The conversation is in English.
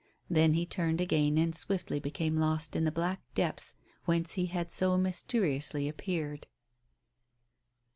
Then he turned again and swiftly became lost in the black depths whence he had so mysteriously appeared.